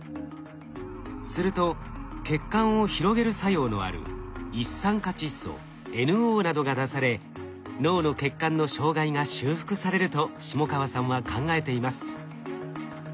すると血管を広げる作用のある一酸化窒素ＮＯなどが出され脳の血管の障害が修復されると下川さんは考えています。